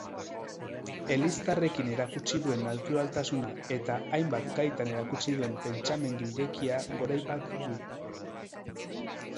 Eliztarrekin erakutsi duen naturaltasuna eta hainbat gaitan erakutsi duen pentsamendu irekia goraipatu du.